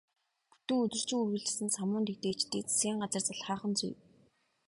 Бүтэн өдөржин үргэлжилсэн самуун дэгдээгчдийг засгийн газар залхаах нь зүй.